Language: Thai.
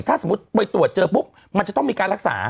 ถ้าสมมุติไปตรวจเจอปุ๊บมันจะต้องมีการรักษา